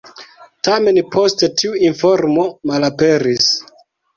Tamen poste tiu informo malaperis.